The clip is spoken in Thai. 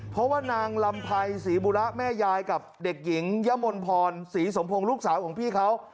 เพราะว่านางลำไพรศรีบุระแม่ยายกับเด็กหญิงยะมนพรศรีสมพงศ์ลูกสาวของพี่เขา